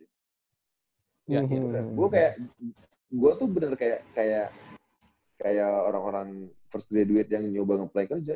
gue kayak gue tuh bener kayak kayak orang orang first graduate yang coba nge play kerja